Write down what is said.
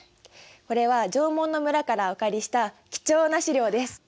これは縄文の村からお借りした貴重な資料です。